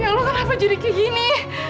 ya allah ya allah kenapa jadi kayak gini